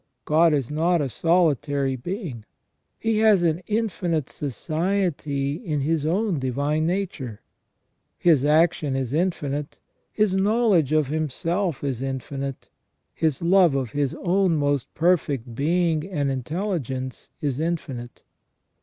God is not a solitary Being. He has an infinite society in His own divine nature. His action is infinite. His knowledge of Himself is infinite. His love of His own most perfect Being and Intelligence is infinite.